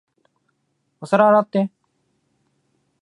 お皿洗って。